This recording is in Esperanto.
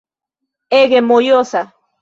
Ege mojosa